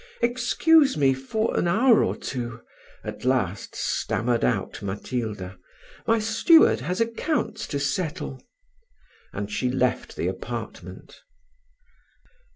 "Excuse me for an hour or two," at last stammered out Matilda "my steward has accounts to settle;" and she left the apartment.